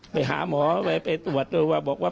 ไปหาหมอไปตรวจว่า